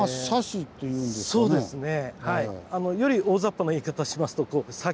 そうですね。